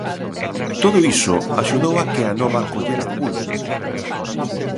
Todo iso axudou a que a nova collera pulo.